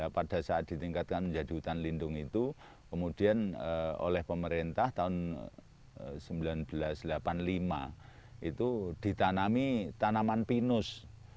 pada saat ditingkatkan menjadi hutan lindung itu kemudian oleh pemerintah tahun seribu sembilan ratus delapan puluh lima itu ditanami tanaman pinus